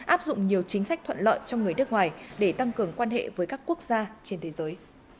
áp dụng nhiều chính sách thuận lợi cho người nước ngoài để tăng cường quan hệ với các quốc gia trên thế giới